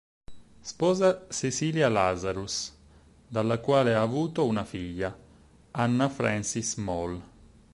Sposa Cecilia Lazarus, dalla quale ha avuto una figlia, Anna Frances Mole.